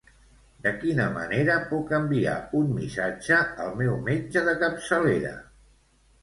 De quina manera puc enviar un missatge al meu metge de capçalera?